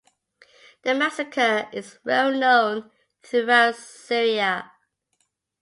The massacre is well known throughout Syria.